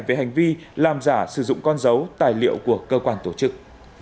về hành vi làm giả sử dụng con dấu tài liệu của cơ quan tổ chức